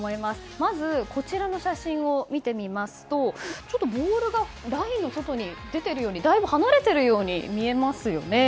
まず、写真を見てみますとボールがラインの外に出ているようにだいぶ離れているように見えますよね。